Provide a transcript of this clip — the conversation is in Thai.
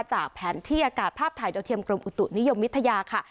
จากแผนที่อากาศภาพถ่ายโดยเทียมกรมอุตุนิยมวิทยาค่ะ